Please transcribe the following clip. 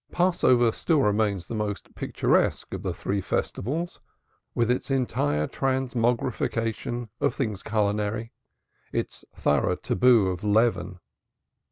Passover still remains the most picturesque of the "Three Festivals" with its entire transmogrification of things culinary, its thorough taboo of leaven.